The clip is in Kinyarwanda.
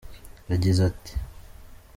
Yagize ati